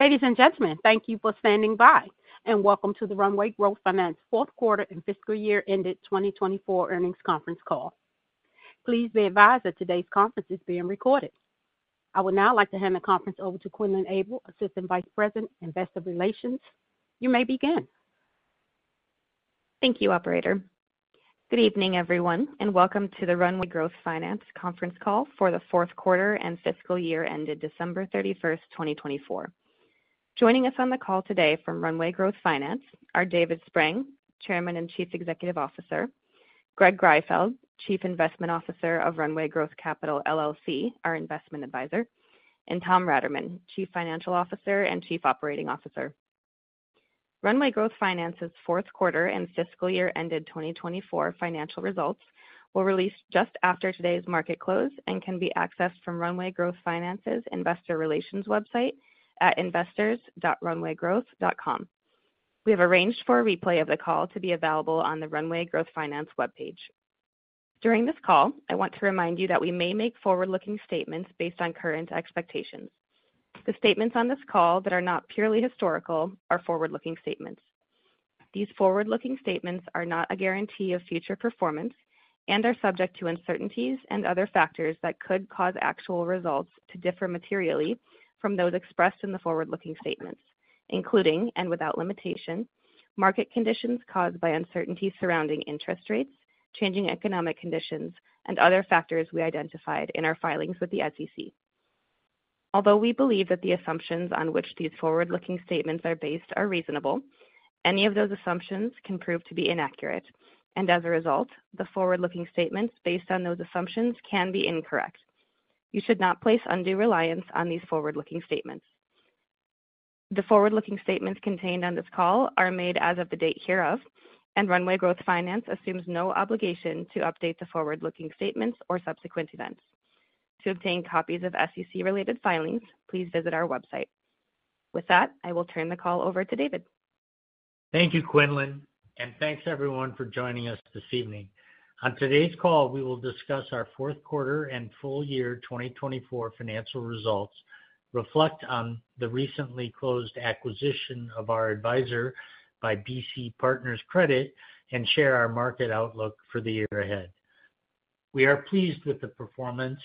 Ladies and gentlemen, thank you for standing by, and welcome to the Runway Growth Finance fourth quarter and fiscal year ended 2024 earnings conference call. Please be advised that today's conference is being recorded. I would now like to hand the conference over to Quinlan Abel, Assistant Vice President, Investor Relations. You may begin. Thank you, Operator. Good evening, everyone, and welcome to the Runway Growth Finance Conference Call for the Fourth Quarter and Fiscal Year Ended December 31, 2024. Joining us on the call today from Runway Growth Finance are David Spreng, Chairman and Chief Executive Officer; Greg Greifeld, Chief Investment Officer of Runway Growth Capital LLC, our Investment Advisor; and Tom Raterman, Chief Financial Officer and Chief Operating Officer. Runway Growth Finance's Fourth Quarter and Fiscal Year Ended 2024 financial results were released just after today's market close and can be accessed from Runway Growth Finance's Investor Relations website at investors.runwaygrowth.com. We have arranged for a replay of the call to be available on the Runway Growth Finance webpage. During this call, I want to remind you that we may make forward-looking statements based on current expectations. The statements on this call that are not purely historical are forward-looking statements. These forward-looking statements are not a guarantee of future performance and are subject to uncertainties and other factors that could cause actual results to differ materially from those expressed in the forward-looking statements, including and without limitation, market conditions caused by uncertainties surrounding interest rates, changing economic conditions, and other factors we identified in our filings with the SEC. Although we believe that the assumptions on which these forward-looking statements are based are reasonable, any of those assumptions can prove to be inaccurate, and as a result, the forward-looking statements based on those assumptions can be incorrect. You should not place undue reliance on these forward-looking statements. The forward-looking statements contained on this call are made as of the date hereof, and Runway Growth Finance assumes no obligation to update the forward-looking statements or subsequent events. To obtain copies of SEC-related filings, please visit our website. With that, I will turn the call over to David. Thank you, Quinlan, and thanks, everyone, for joining us this evening. On today's call, we will discuss our fourth quarter and full year 2024 financial results, reflect on the recently closed acquisition of our advisor by BC Partners Credit, and share our market outlook for the year ahead. We are pleased with the performance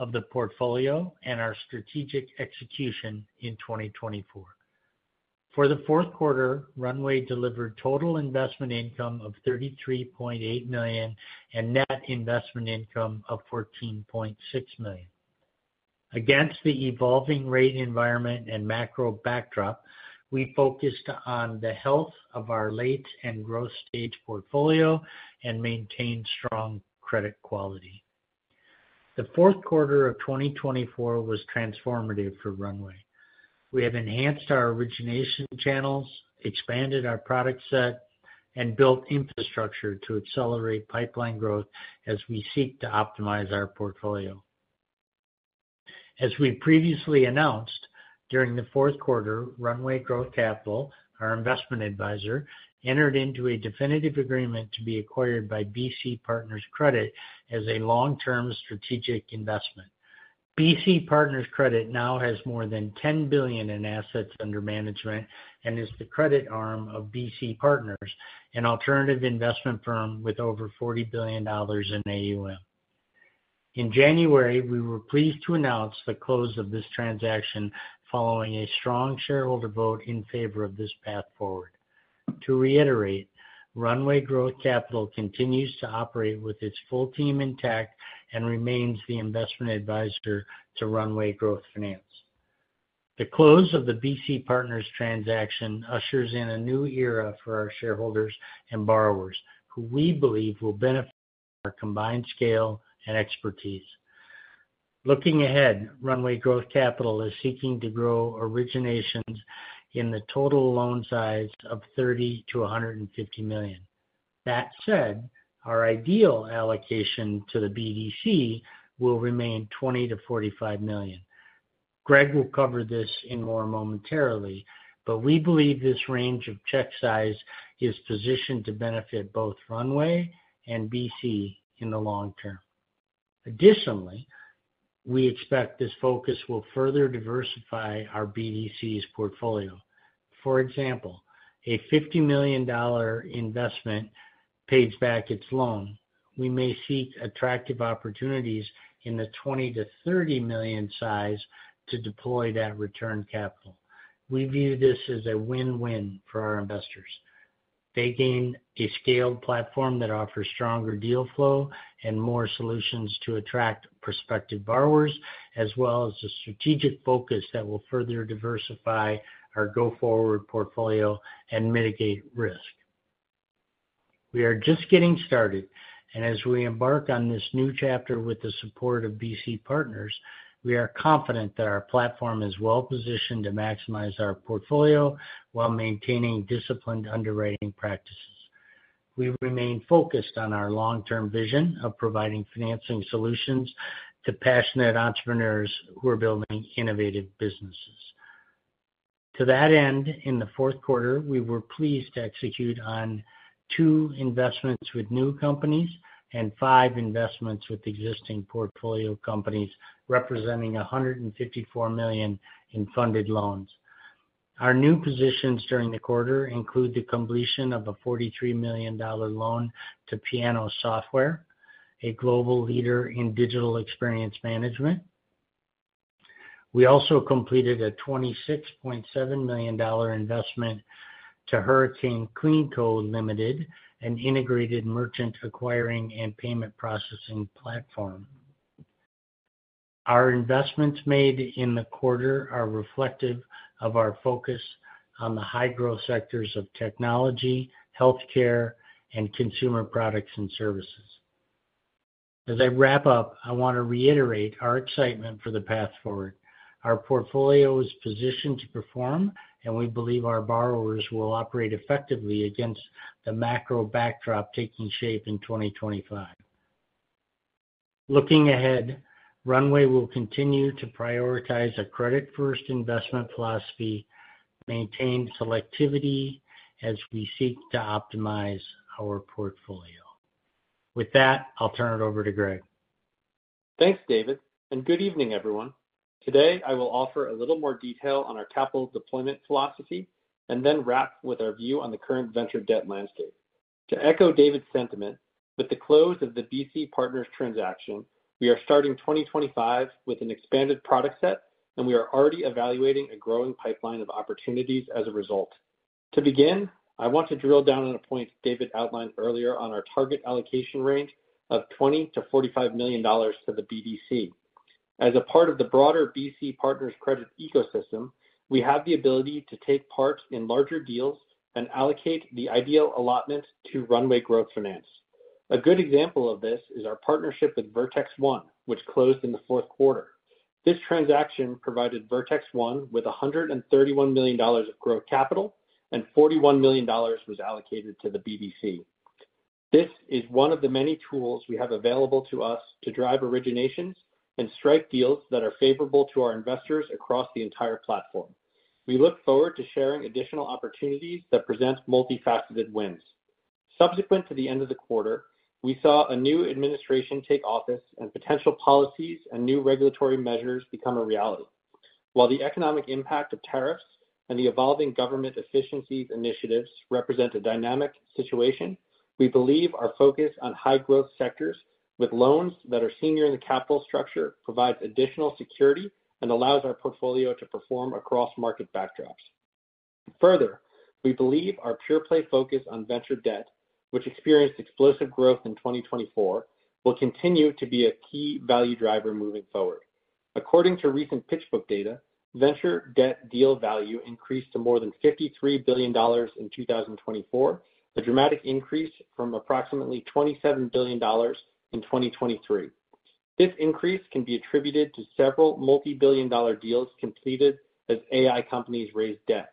of the portfolio and our strategic execution in 2024. For the fourth quarter, Runway delivered total investment income of $33.8 million and net investment income of $14.6 million. Against the evolving rate environment and macro backdrop, we focused on the health of our late and growth stage portfolio and maintained strong credit quality. The fourth quarter of 2024 was transformative for Runway. We have enhanced our origination channels, expanded our product set, and built infrastructure to accelerate pipeline growth as we seek to optimize our portfolio. As we previously announced, during the fourth quarter, Runway Growth Capital, our Investment Advisor, entered into a definitive agreement to be acquired by BC Partners Credit as a long-term strategic investment. BC Partners Credit now has more than $10 billion in assets under management and is the credit arm of BC Partners, an alternative investment firm with over $40 billion in AUM. In January, we were pleased to announce the close of this transaction following a strong shareholder vote in favor of this path forward. To reiterate, Runway Growth Capital continues to operate with its full team intact and remains the Investment Advisor to Runway Growth Finance. The close of the BC Partners transaction ushers in a new era for our shareholders and borrowers, who we believe will benefit from our combined scale and expertise. Looking ahead, Runway Growth Capital is seeking to grow originations in the total loan size of $30-$150 million. That said, our ideal allocation to the BDC will remain $20-$45 million. Greg will cover this in more momentarily, but we believe this range of check size is positioned to benefit both Runway and BC in the long term. Additionally, we expect this focus will further diversify our BDC's portfolio. For example, a $50 million investment pays back its loan. We may seek attractive opportunities in the $20-$30 million size to deploy that returned capital. We view this as a win-win for our investors. They gain a scaled platform that offers stronger deal flow and more solutions to attract prospective borrowers, as well as a strategic focus that will further diversify our go-forward portfolio and mitigate risk. We are just getting started, and as we embark on this new chapter with the support of BC Partners, we are confident that our platform is well-positioned to maximize our portfolio while maintaining disciplined underwriting practices. We remain focused on our long-term vision of providing financing solutions to passionate entrepreneurs who are building innovative businesses. To that end, in the fourth quarter, we were pleased to execute on two investments with new companies and five investments with existing portfolio companies, representing $154 million in funded loans. Our new positions during the quarter include the completion of a $43 million loan to Piano Software, a global leader in digital experience management. We also completed a $26.7 million investment to Hurricane CleanCo Limited, an integrated merchant acquiring and payment processing platform. Our investments made in the quarter are reflective of our focus on the high-growth sectors of technology, healthcare, and consumer products and services. As I wrap up, I want to reiterate our excitement for the path forward. Our portfolio is positioned to perform, and we believe our borrowers will operate effectively against the macro backdrop taking shape in 2025. Looking ahead, Runway will continue to prioritize a credit-first investment philosophy, maintain selectivity as we seek to optimize our portfolio. With that, I'll turn it over to Greg. Thanks, David, and good evening, everyone. Today, I will offer a little more detail on our capital deployment philosophy and then wrap with our view on the current venture debt landscape. To echo David's sentiment, with the close of the BC Partners transaction, we are starting 2025 with an expanded product set, and we are already evaluating a growing pipeline of opportunities as a result. To begin, I want to drill down on a point David outlined earlier on our target allocation range of $20-$45 million to the BDC. As a part of the broader BC Partners Credit ecosystem, we have the ability to take part in larger deals and allocate the ideal allotment to Runway Growth Finance. A good example of this is our partnership with VertexOne, which closed in the fourth quarter. This transaction provided VertexOne with $131 million of growth capital, and $41 million was allocated to the BDC. This is one of the many tools we have available to us to drive originations and strike deals that are favorable to our investors across the entire platform. We look forward to sharing additional opportunities that present multifaceted wins. Subsequent to the end of the quarter, we saw a new administration take office, and potential policies and new regulatory measures become a reality. While the economic impact of tariffs and the evolving government efficiency initiatives represent a dynamic situation, we believe our focus on high-growth sectors with loans that are senior in the capital structure provides additional security and allows our portfolio to perform across market backdrops. Further, we believe our pure-play focus on venture debt, which experienced explosive growth in 2024, will continue to be a key value driver moving forward. According to recent PitchBook data, venture debt deal value increased to more than $53 billion in 2024, a dramatic increase from approximately $27 billion in 2023. This increase can be attributed to several multi-billion dollar deals completed as AI companies raised debt.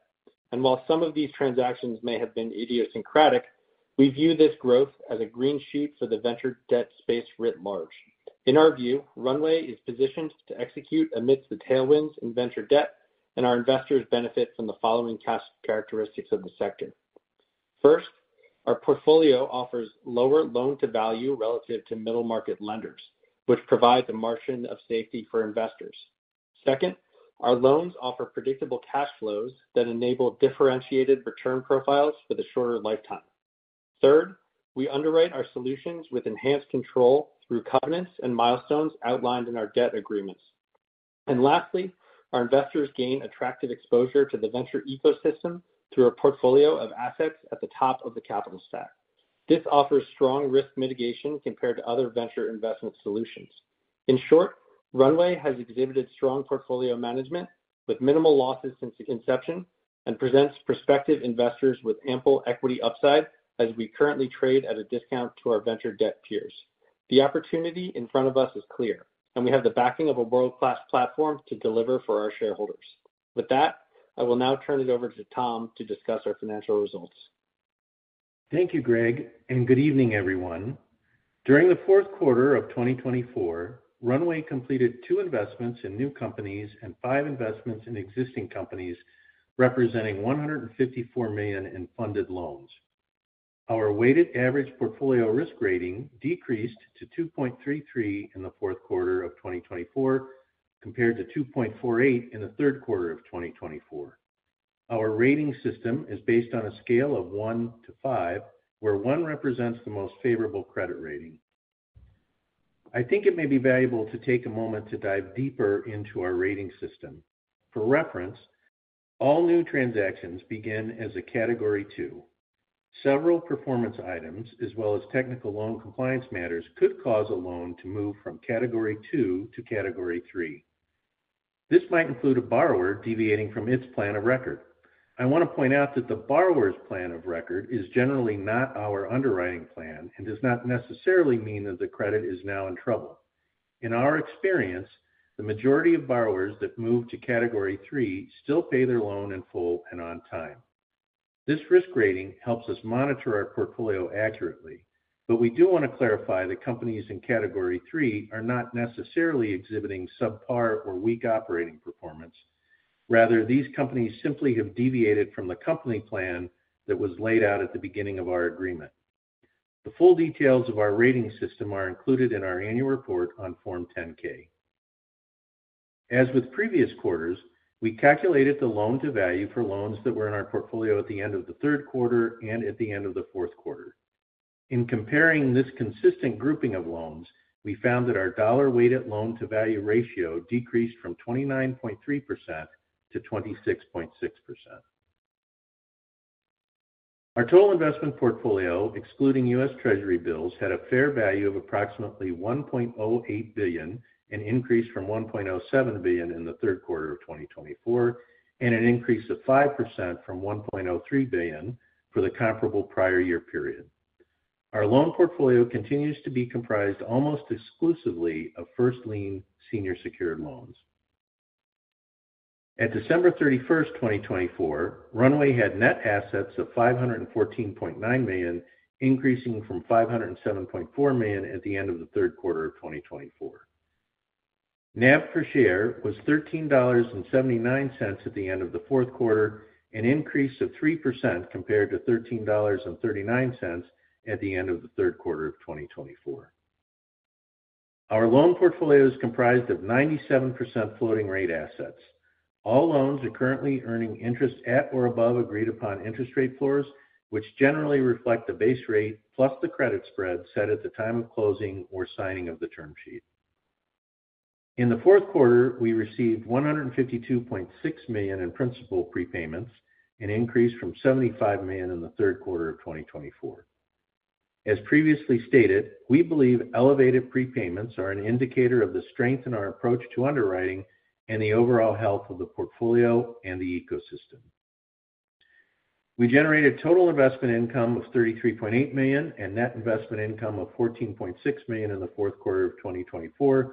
While some of these transactions may have been idiosyncratic, we view this growth as a green shoot for the venture debt space writ large. In our view, Runway is positioned to execute amidst the tailwinds in venture debt, and our investors benefit from the following characteristics of the sector. First, our portfolio offers lower loan-to-value relative to middle market lenders, which provides a margin of safety for investors. Second, our loans offer predictable cash flows that enable differentiated return profiles for the shorter lifetime. Third, we underwrite our solutions with enhanced control through covenants and milestones outlined in our debt agreements. Lastly, our investors gain attractive exposure to the venture ecosystem through a portfolio of assets at the top of the capital stack. This offers strong risk mitigation compared to other venture investment solutions. In short, Runway has exhibited strong portfolio management with minimal losses since inception and presents prospective investors with ample equity upside as we currently trade at a discount to our venture debt peers. The opportunity in front of us is clear, and we have the backing of a world-class platform to deliver for our shareholders. With that, I will now turn it over to Tom to discuss our financial results. Thank you, Greg, and good evening, everyone. During the fourth quarter of 2024, Runway completed two investments in new companies and five investments in existing companies, representing $154 million in funded loans. Our weighted average portfolio risk rating decreased to 2.33 in the fourth quarter of 2024 compared to 2.48 in the third quarter of 2024. Our rating system is based on a scale of one to five, where one represents the most favorable credit rating. I think it may be valuable to take a moment to dive deeper into our rating system. For reference, all new transactions begin as a Category 2. Several performance items, as well as technical loan compliance matters, could cause a loan to move from Category 2 to Category 3. This might include a borrower deviating from its plan of record. I want to point out that the borrower's plan of record is generally not our underwriting plan and does not necessarily mean that the credit is now in trouble. In our experience, the majority of borrowers that move to Category 3 still pay their loan in full and on time. This risk rating helps us monitor our portfolio accurately, but we do want to clarify that companies in Category 3 are not necessarily exhibiting subpar or weak operating performance. Rather, these companies simply have deviated from the company plan that was laid out at the beginning of our agreement. The full details of our rating system are included in our annual report on Form 10-K. As with previous quarters, we calculated the loan-to-value for loans that were in our portfolio at the end of the Third Quarter and at the end of the Fourth Quarter. In comparing this consistent grouping of loans, we found that our dollar-weighted loan-to-value ratio decreased from 29.3% to 26.6%. Our total investment portfolio, excluding U.S. Treasury bills, had a fair value of approximately $1.08 billion, an increase from $1.07 billion in the Third Quarter of 2024, and an increase of 5% from $1.03 billion for the comparable prior year period. Our loan portfolio continues to be comprised almost exclusively of first lien senior secured loans. At December 31, 2024, Runway had net assets of $514.9 million, increasing from $507.4 million at the end of the Third Quarter of 2024. NAV per share was $13.79 at the end of the Fourth Quarter, an increase of 3% compared to $13.39 at the end of the Third Quarter of 2024. Our loan portfolio is comprised of 97% floating-rate assets. All loans are currently earning interest at or above agreed-upon interest rate floors, which generally reflect the base rate plus the credit spread set at the time of closing or signing of the term sheet. In the fourth quarter, we received $152.6 million in principal prepayments, an increase from $75 million in the third quarter of 2024. As previously stated, we believe elevated prepayments are an indicator of the strength in our approach to underwriting and the overall health of the portfolio and the ecosystem. We generated total investment income of $33.8 million and net investment income of $14.6 million in the fourth quarter of 2024,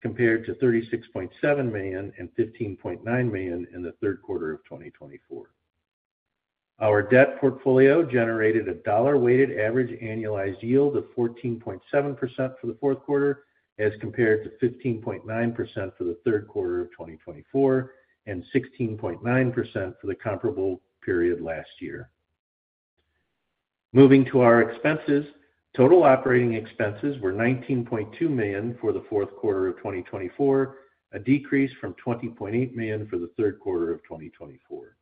compared to $36.7 million and $15.9 million in the third quarter of 2024. Our debt portfolio generated a dollar-weighted average annualized yield of 14.7% for the fourth quarter, as compared to 15.9% for the third quarter of 2024 and 16.9% for the comparable period last year. Moving to our expenses, total operating expenses were $19.2 million for the fourth quarter of 2024, a decrease from $20.8 million for the third quarter of 2024.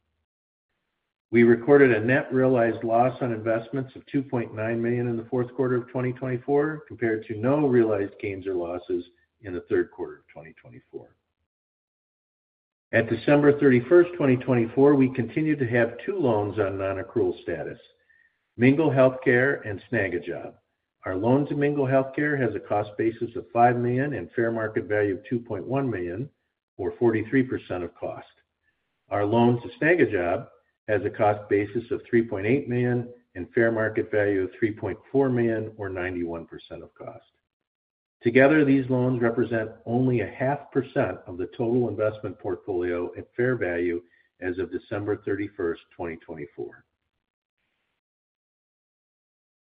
We recorded a net realized loss on investments of $2.9 million in the fourth quarter of 2024, compared to no realized gains or losses in the third quarter of 2024. At December 31, 2024, we continued to have two loans on non-accrual status: Mingle Healthcare and Snagajob. Our loan to Mingle Healthcare has a cost basis of $5 million and fair market value of $2.1 million, or 43% of cost. Our loan to Snagajob has a cost basis of $3.8 million and fair market value of $3.4 million, or 91% of cost. Together, these loans represent only 0.5% of the total investment portfolio at fair value as of December 31, 2024.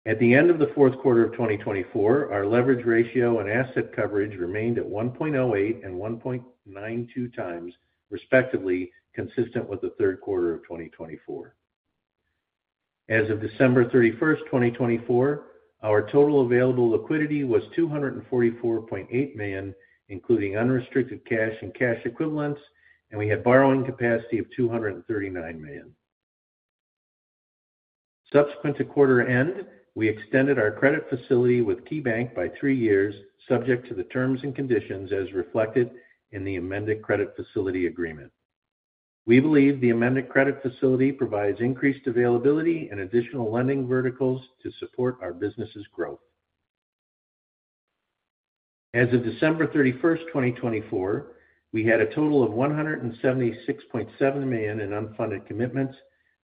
At the end of the Fourth Quarter of 2024, our leverage ratio and asset coverage remained at 1.08 and 1.92x, respectively, consistent with the Third Quarter of 2024. As of December 31, 2024, our total available liquidity was $244.8 million, including unrestricted cash and cash equivalents, and we had borrowing capacity of $239 million. Subsequent to quarter end, we extended our credit facility with KeyBank by three years, subject to the terms and conditions as reflected in the amended credit facility agreement. We believe the amended credit facility provides increased availability and additional lending verticals to support our business's growth. As of December 31, 2024, we had a total of $176.7 million in unfunded commitments,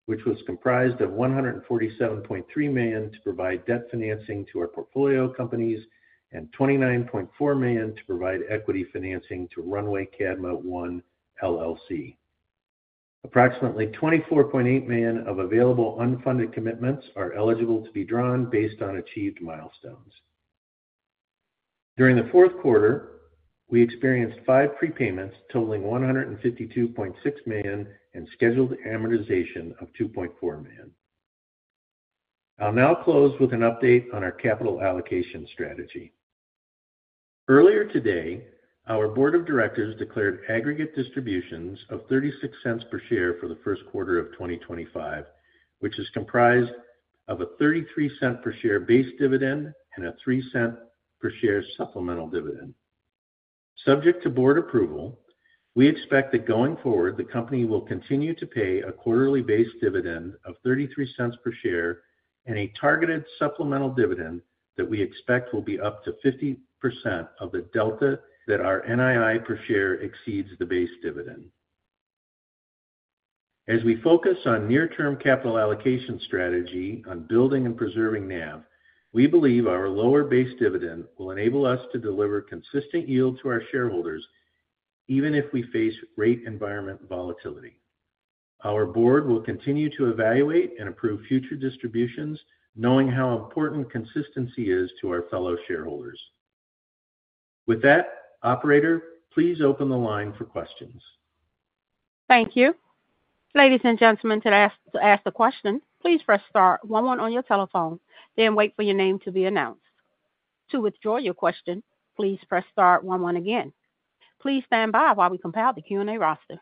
which was comprised of $147.3 million to provide debt financing to our portfolio companies and $29.4 million to provide equity financing to Runway Cadma One LLC. Approximately $24.8 million of available unfunded commitments are eligible to be drawn based on achieved milestones. During the fourth quarter, we experienced five prepayments totaling $152.6 million and scheduled amortization of $2.4 million. I'll now close with an update on our capital allocation strategy. Earlier today, our board of directors declared aggregate distributions of $0.36 per share for the first quarter of 2025, which is comprised of a $0.33 per share base dividend and a $0.03 per share supplemental dividend. Subject to board approval, we expect that going forward, the company will continue to pay a quarterly base dividend of $0.33 per share and a targeted supplemental dividend that we expect will be up to 50% of the delta that our NII per share exceeds the base dividend. As we focus our near-term capital allocation strategy on building and preserving NAV, we believe our lower base dividend will enable us to deliver consistent yield to our shareholders, even if we face rate environment volatility. Our board will continue to evaluate and approve future distributions, knowing how important consistency is to our fellow shareholders. With that, Operator, please open the line for questions. Thank you. Ladies and gentlemen, to ask the question, please press star one one on your telephone, then wait for your name to be announced. To withdraw your question, please press star one one again. Please stand by while we compile the Q&A roster.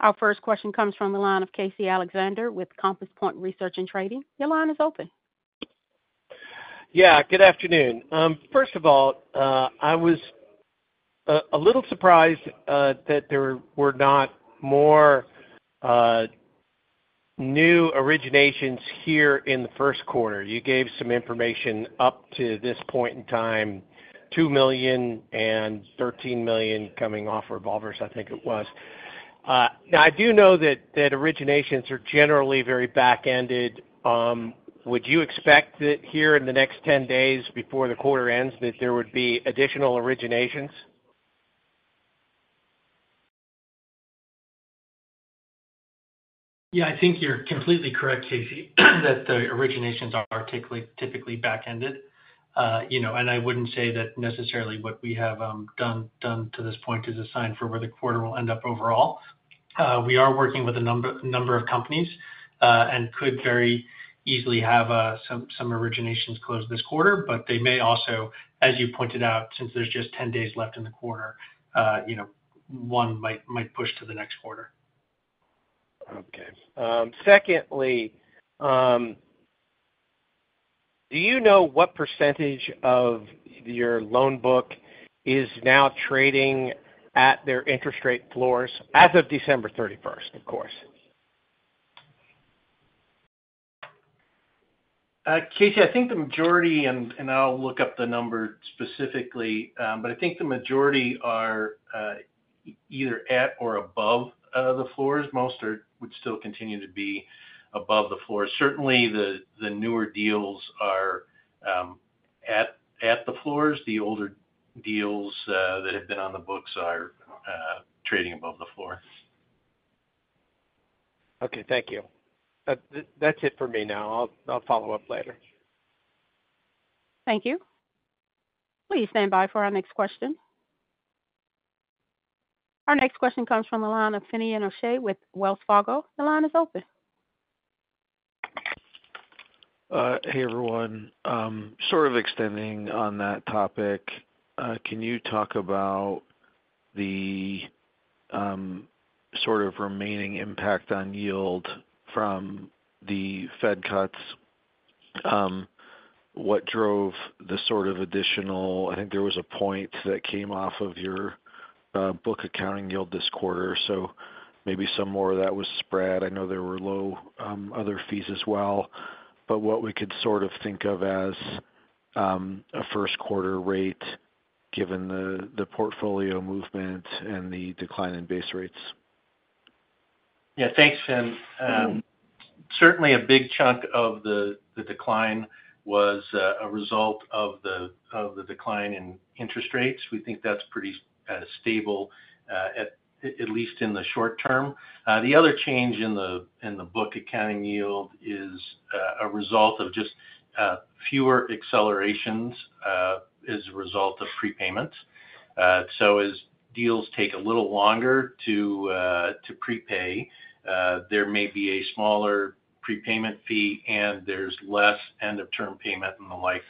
Our first question comes from the line of Casey Alexander with Compass Point Research and Trading. Your line is open. Yeah, good afternoon. First of all, I was a little surprised that there were not more new originations here in the first quarter. You gave some information up to this point in time, $2 million and $13 million coming off revolvers, I think it was. Now, I do know that originations are generally very back-ended. Would you expect that here in the next 10 days before the quarter ends, that there would be additional originations? Yeah, I think you're completely correct, Casey, that the originations are typically back-ended. I wouldn't say that necessarily what we have done to this point is a sign for where the quarter will end up overall. We are working with a number of companies and could very easily have some originations close this quarter, but they may also, as you pointed out, since there's just 10 days left in the quarter, one might push to the next quarter. Okay. Secondly, do you know what percentage of your loan book is now trading at their interest rate floors as of December 31, of course? Casey, I think the majority, and I'll look up the number specifically, but I think the majority are either at or above the floors. Most would still continue to be above the floor. Certainly, the newer deals are at the floors. The older deals that have been on the books are trading above the floor. Okay, thank you. That's it for me now. I'll follow up later. Thank you. Please stand by for our next question. Our next question comes from the line of Finian O'Shea with Wells Fargo. The line is open. Hey, everyone. Sort of extending on that topic, can you talk about the sort of remaining impact on yield from the Fed cuts? What drove the sort of additional, I think there was a point that came off of your book accounting yield this quarter, so maybe some more of that was spread. I know there were low other fees as well, but what we could sort of think of as a first quarter rate given the portfolio movement and the decline in base rates. Yeah, thanks, Finn. Certainly, a big chunk of the decline was a result of the decline in interest rates. We think that's pretty stable, at least in the short term. The other change in the book accounting yield is a result of just fewer accelerations as a result of prepayments. As deals take a little longer to prepay, there may be a smaller prepayment fee, and there's less end-of-term payment and the like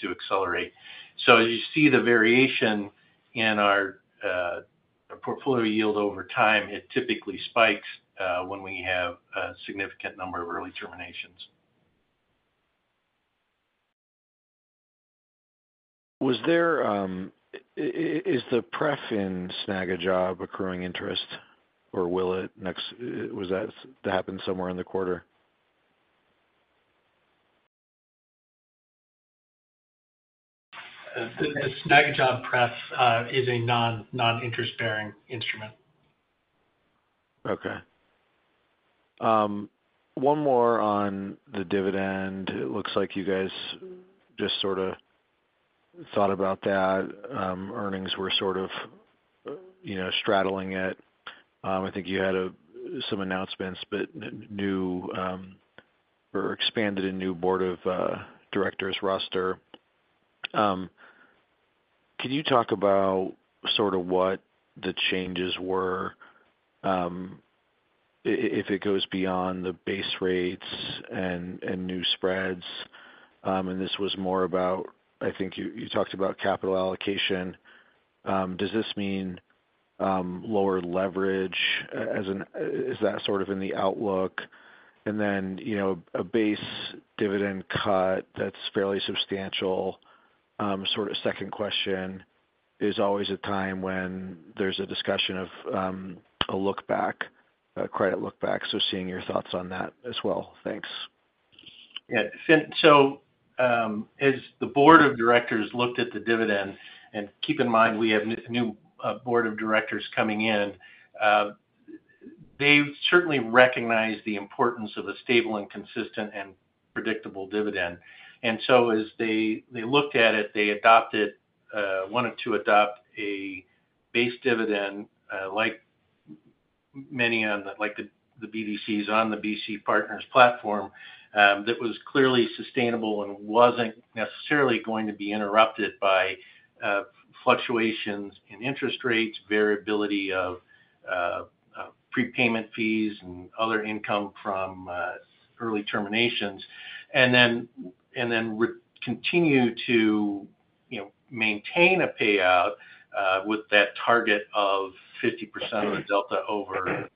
to accelerate. As you see the variation in our portfolio yield over time, it typically spikes when we have a significant number of early terminations. Is the pref in Snagajob accruing interest, or will it? Was that happen somewhere in the quarter? The Snagajob pref is a non-interest-bearing instrument. Okay. One more on the dividend. It looks like you guys just sort of thought about that. Earnings were sort of straddling it. I think you had some announcements, but were expanded a new board of directors roster. Can you talk about sort of what the changes were if it goes beyond the base rates and new spreads? This was more about, I think you talked about capital allocation. Does this mean lower leverage? Is that sort of in the outlook? A base dividend cut that's fairly substantial, sort of second question, is always a time when there's a discussion of a look-back, a credit look-back. Seeing your thoughts on that as well. Thanks. Yeah. Finn, so has the board of directors looked at the dividend? Keep in mind, we have a new board of directors coming in. They certainly recognize the importance of a stable, consistent, and predictable dividend. As they looked at it, they adopted, wanted to adopt a base dividend like many on the BDCs on the BC Partners platform, that was clearly sustainable and was not necessarily going to be interrupted by fluctuations in interest rates, variability of prepayment fees, and other income from early terminations, and then continue to maintain a payout with that target of 50% of the delta over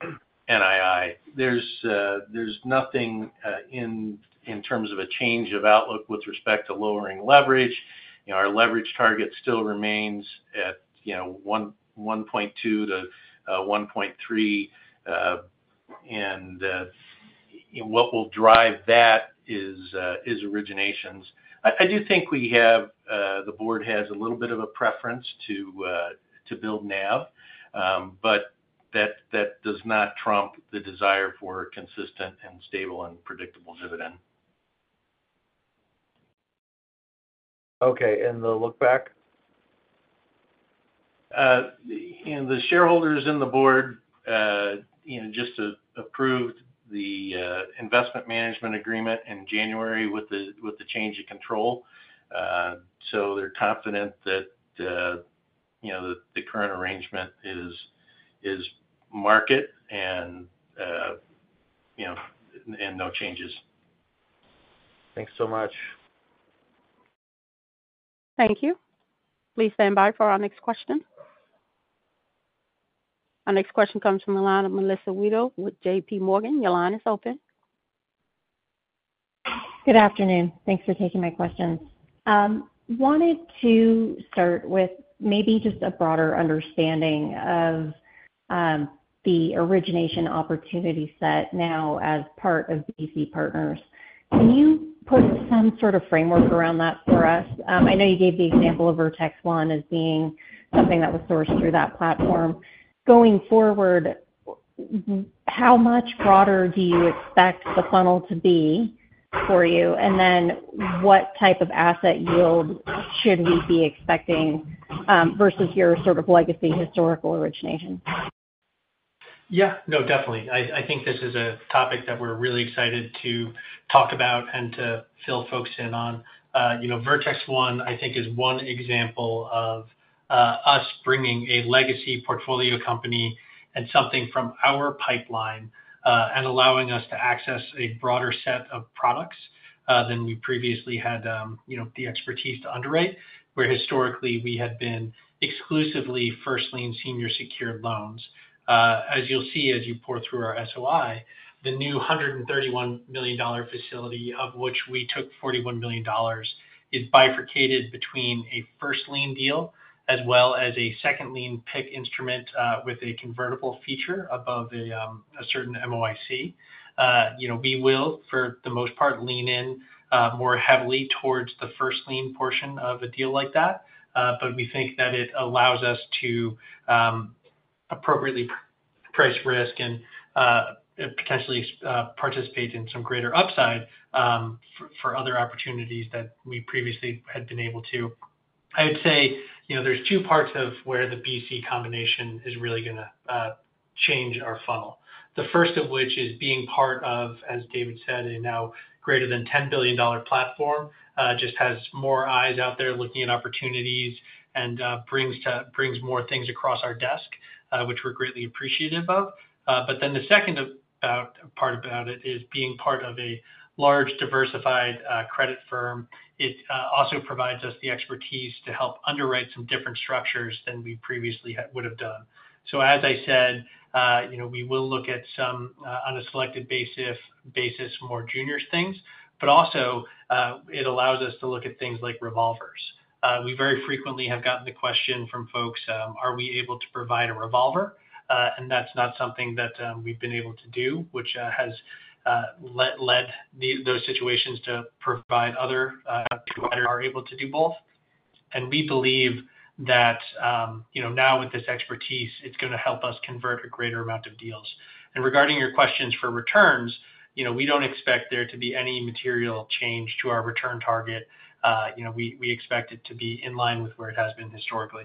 NII. There is nothing in terms of a change of outlook with respect to lowering leverage. Our leverage target still remains at 1.2-1.3. What will drive that is originations. I do think we have, the board has a little bit of a preference to build NAV, but that does not trump the desire for consistent and stable and predictable dividend. Okay. The look-back? The shareholders and the board just approved the investment management agreement in January with the change of control. They are confident that the current arrangement is market and no changes. Thanks so much. Thank you. Please stand by for our next question. Our next question comes from the line of Melissa Wedel with JPMorgan. Your line is open. Good afternoon. Thanks for taking my questions. Wanted to start with maybe just a broader understanding of the origination opportunity set now as part of BC Partners. Can you put some sort of framework around that for us? I know you gave the example of VertexOne as being something that was sourced through that platform. Going forward, how much broader do you expect the funnel to be for you? What type of asset yield should we be expecting versus your sort of legacy historical origination? Yeah. No, definitely. I think this is a topic that we're really excited to talk about and to fill folks in on. VertexOne, I think, is one example of us bringing a legacy portfolio company and something from our pipeline and allowing us to access a broader set of products than we previously had the expertise to underwrite, where historically we had been exclusively first lien senior secured loans. As you'll see as you pour through our SOI, the new $131 million facility, of which we took $41 million, is bifurcated between a first lien deal as well as a second lien PIK instrument with a convertible feature above a certain MOIC. We will, for the most part, lean in more heavily towards the first lien portion of a deal like that, but we think that it allows us to appropriately price risk and potentially participate in some greater upside for other opportunities that we previously had been able to. I would say there's two parts of where the BC combination is really going to change our funnel. The first of which is being part of, as David said, a now greater than $10 billion platform, just has more eyes out there looking at opportunities and brings more things across our desk, which we're greatly appreciative of. The second part about it is being part of a large, diversified credit firm. It also provides us the expertise to help underwrite some different structures than we previously would have done. As I said, we will look at some on a selected basis, more junior things, but also it allows us to look at things like revolvers. We very frequently have gotten the question from folks, "Are we able to provide a revolver?" That is not something that we have been able to do, which has led those situations to provide other providers who are able to do both. We believe that now with this expertise, it is going to help us convert a greater amount of deals. Regarding your questions for returns, we do not expect there to be any material change to our return target. We expect it to be in line with where it has been historically.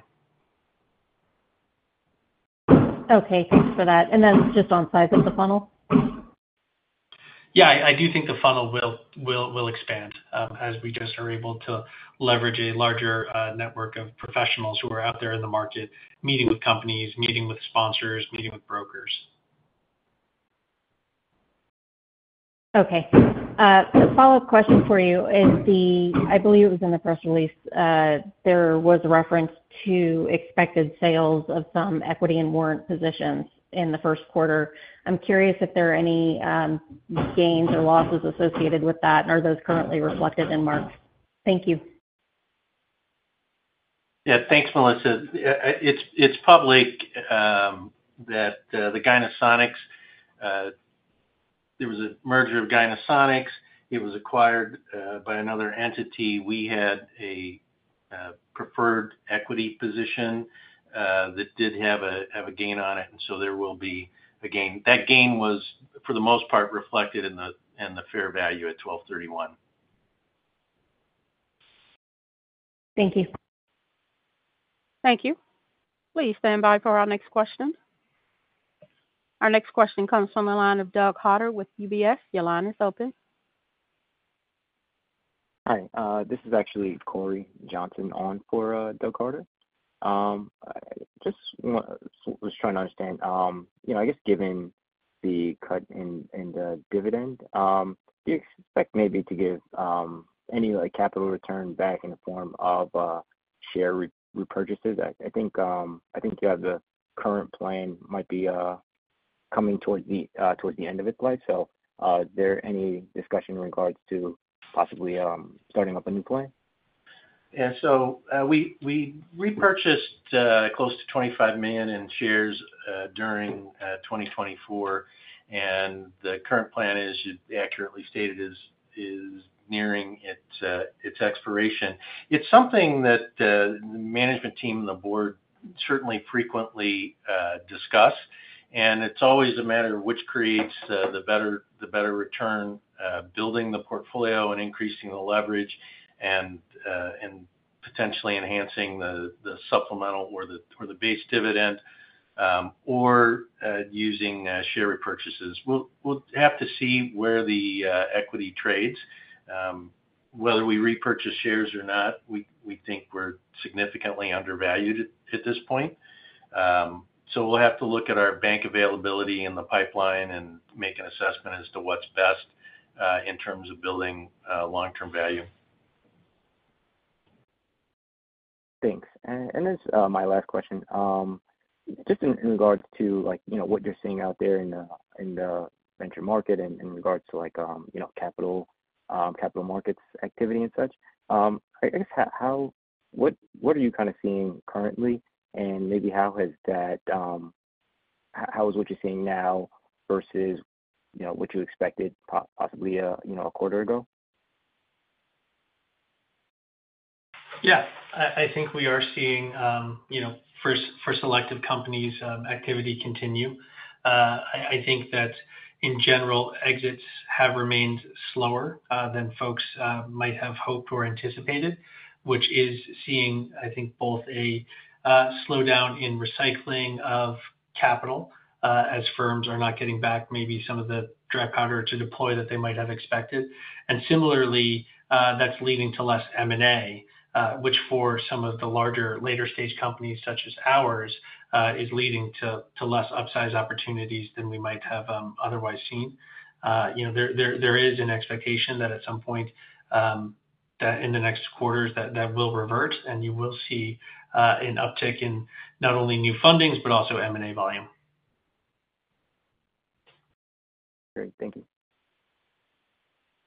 Okay. Thanks for that. Just on size of the funnel? Yeah, I do think the funnel will expand as we just are able to leverage a larger network of professionals who are out there in the market, meeting with companies, meeting with sponsors, meeting with brokers. Okay. The follow-up question for you is the, I believe it was in the press release, there was a reference to expected sales of some equity and warrant positions in the first quarter. I'm curious if there are any gains or losses associated with that, and are those currently reflected in marks? Thank you. Yeah. Thanks, Melissa. It's public that the Gynesonics, there was a merger of Gynesonics. It was acquired by another entity. We had a preferred equity position that did have a gain on it, and so there will be a gain. That gain was, for the most part, reflected in the fair value at 12/31. Thank you. Thank you. Please stand by for our next question. Our next question comes from the line of Doug Harder with UBS. Your line is open. Hi. This is actually Cory Johnson on for Doug Harder. Just was trying to understand, I guess, given the cut in dividend, do you expect maybe to give any capital return back in the form of share repurchases? I think you have the current plan might be coming towards the end of its life. Is there any discussion in regards to possibly starting up a new plan? Yeah. So we repurchased close to $25 million in shares during 2024, and the current plan, as you accurately stated, is nearing its expiration. It's something that the management team and the board certainly frequently discuss, and it's always a matter of which creates the better return, building the portfolio and increasing the leverage and potentially enhancing the supplemental or the base dividend or using share repurchases. We'll have to see where the equity trades, whether we repurchase shares or not. We think we're significantly undervalued at this point. So we'll have to look at our bank availability in the pipeline and make an assessment as to what's best in terms of building long-term value. Thanks. This is my last question. Just in regards to what you're seeing out there in the venture market and in regards to capital markets activity and such, I guess, what are you kind of seeing currently? Maybe how has that, how is what you're seeing now versus what you expected possibly a quarter ago? Yeah. I think we are seeing, for selective companies, activity continue. I think that, in general, exits have remained slower than folks might have hoped or anticipated, which is seeing, I think, both a slowdown in recycling of capital as firms are not getting back maybe some of the dry powder to deploy that they might have expected. Similarly, that's leading to less M&A, which for some of the larger later-stage companies such as ours is leading to less upside opportunities than we might have otherwise seen. There is an expectation that at some point in the next quarters that will revert, and you will see an uptick in not only new fundings but also M&A volume. Great. Thank you.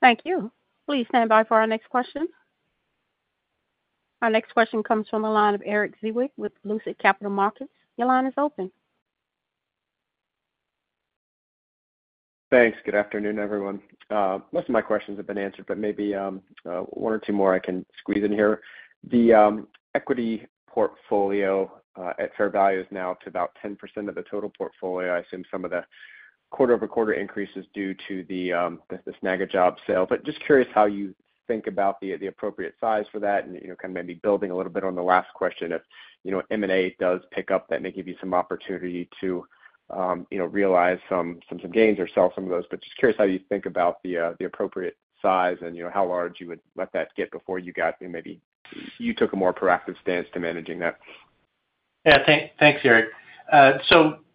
Thank you. Please stand by for our next question. Our next question comes from the line of Erik Zwick with Lucid Capital Markets. Your line is open. Thanks. Good afternoon, everyone. Most of my questions have been answered, but maybe one or two more I can squeeze in here. The equity portfolio at fair value is now to about 10% of the total portfolio. I assume some of the quarter-over-quarter increase is due to the Snagajob sale. Just curious how you think about the appropriate size for that and kind of maybe building a little bit on the last question. If M&A does pick up, that may give you some opportunity to realize some gains or sell some of those. Just curious how you think about the appropriate size and how large you would let that get before you got maybe you took a more proactive stance to managing that. Yeah. Thanks, Erik.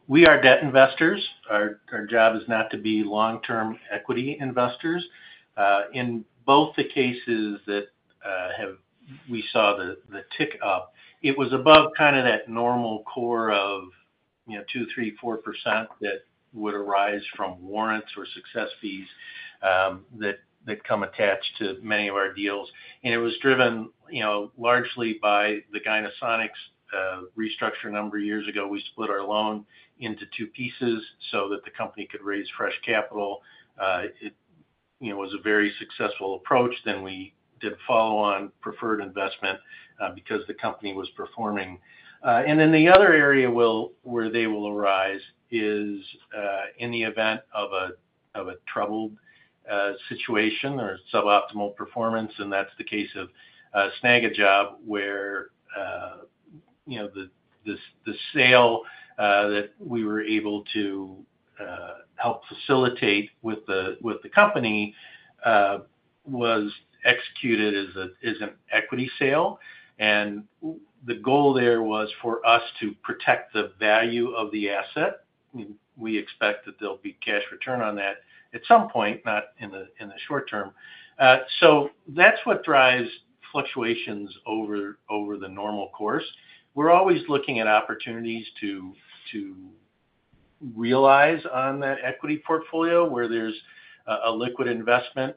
We are debt investors. Our job is not to be long-term equity investors. In both the cases that we saw the tick up, it was above kind of that normal core of 2-4% that would arise from warrants or success fees that come attached to many of our deals. It was driven largely by the Gynesonics restructure a number of years ago. We split our loan into two pieces so that the company could raise fresh capital. It was a very successful approach. We did follow on preferred investment because the company was performing. The other area where they will arise is in the event of a troubled situation or suboptimal performance. That is the case of Snagajob, where the sale that we were able to help facilitate with the company was executed as an equity sale. The goal there was for us to protect the value of the asset. We expect that there'll be cash return on that at some point, not in the short term. That is what drives fluctuations over the normal course. We're always looking at opportunities to realize on that equity portfolio where there's a liquid investment.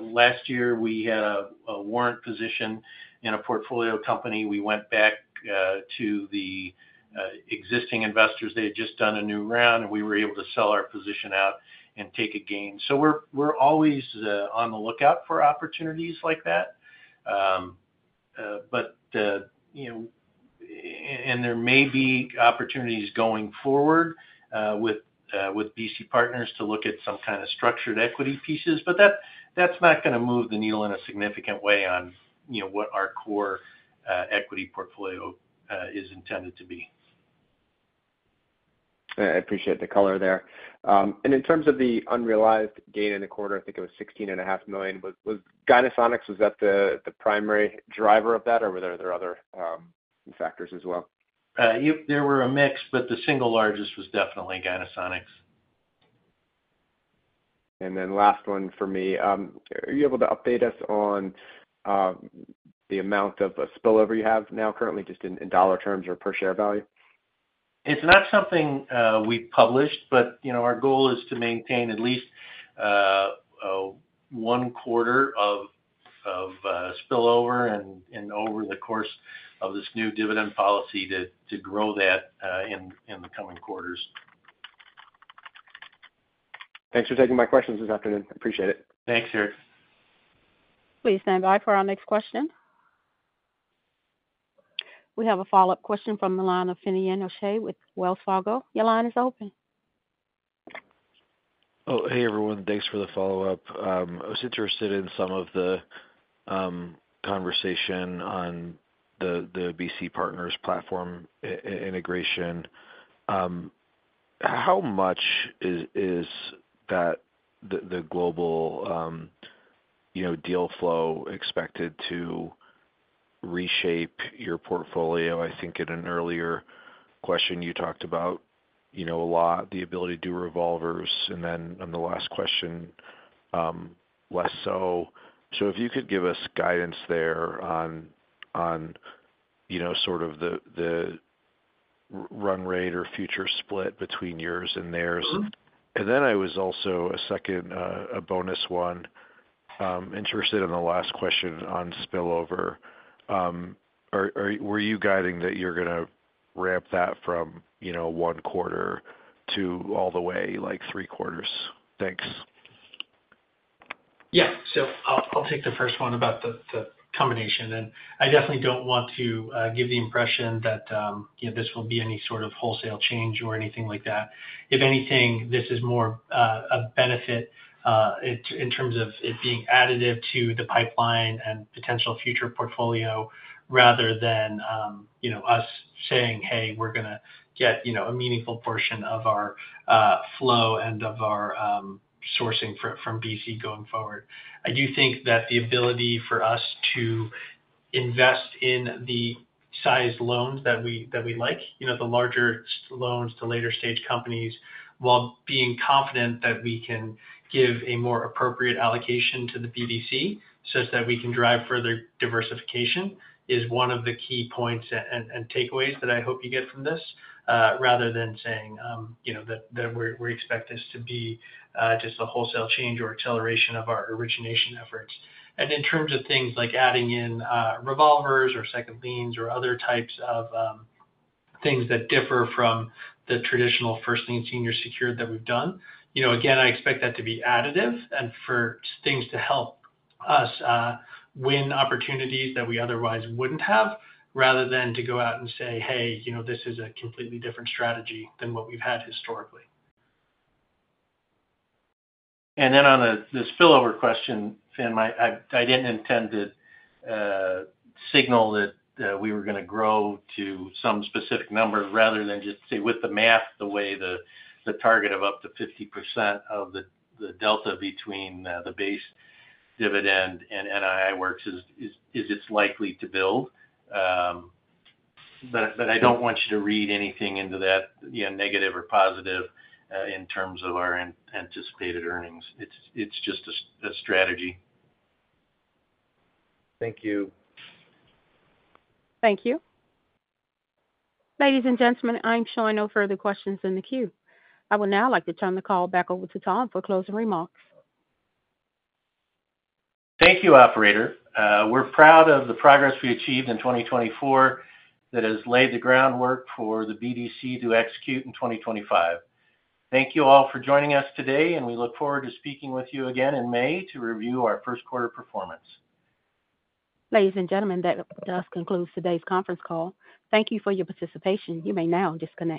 Last year, we had a warrant position in a portfolio company. We went back to the existing investors. They had just done a new round, and we were able to sell our position out and take a gain. We're always on the lookout for opportunities like that. There may be opportunities going forward with BC Partners to look at some kind of structured equity pieces, but that's not going to move the needle in a significant way on what our core equity portfolio is intended to be. I appreciate the color there. In terms of the unrealized gain in the quarter, I think it was $16.5 million. Was Gynesonics the primary driver of that, or were there other factors as well? There were a mix, but the single largest was definitely Gynesonics. Last one for me. Are you able to update us on the amount of spillover you have now currently, just in dollar terms or per share value? It's not something we've published, but our goal is to maintain at least one quarter of spillover and over the course of this new dividend policy to grow that in the coming quarters. Thanks for taking my questions this afternoon. Appreciate it. Thanks, Erik. Please stand by for our next question. We have a follow-up question from the line of Finian O'Shea with Wells Fargo. Your line is open. Oh, hey, everyone. Thanks for the follow-up. I was interested in some of the conversation on the BC Partners platform integration. How much is the global deal flow expected to reshape your portfolio? I think in an earlier question, you talked about a lot, the ability to do revolvers, and then on the last question, less so. If you could give us guidance there on sort of the run rate or future split between yours and theirs. I was also a second, a bonus one, interested in the last question on spillover. Were you guiding that you're going to ramp that from one quarter to all the way, like three quarters? Thanks. Yeah. I'll take the first one about the combination. I definitely don't want to give the impression that this will be any sort of wholesale change or anything like that. If anything, this is more a benefit in terms of it being additive to the pipeline and potential future portfolio rather than us saying, "Hey, we're going to get a meaningful portion of our flow and of our sourcing from BC going forward." I do think that the ability for us to invest in the size loans that we like, the larger loans to later-stage companies, while being confident that we can give a more appropriate allocation to the BDC such that we can drive further diversification is one of the key points and takeaways that I hope you get from this, rather than saying that we expect this to be just a wholesale change or acceleration of our origination efforts. In terms of things like adding in revolvers or second liens or other types of things that differ from the traditional first-lien senior secured that we've done, I expect that to be additive and for things to help us win opportunities that we otherwise wouldn't have, rather than to go out and say, "Hey, this is a completely different strategy than what we've had historically. On this spillover question, Finn, I didn't intend to signal that we were going to grow to some specific number, rather than just say, with the math, the way the target of up to 50% of the delta between the base dividend and NII works is it's likely to build. I don't want you to read anything into that negative or positive in terms of our anticipated earnings. It's just a strategy. Thank you. Thank you. Ladies and gentlemen, I'm showing no further questions in the queue. I would now like to turn the call back over to Tom for closing remarks. Thank you, operator. We're proud of the progress we achieved in 2024 that has laid the groundwork for the BDC to execute in 2025. Thank you all for joining us today, and we look forward to speaking with you again in May to review our first-quarter performance. Ladies and gentlemen, that does conclude today's conference call. Thank you for your participation. You may now disconnect.